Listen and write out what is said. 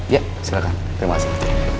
ya silakan terima kasih